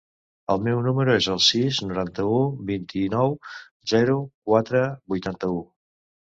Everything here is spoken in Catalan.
El meu número es el sis, noranta-u, vint-i-nou, zero, quatre, vuitanta-u.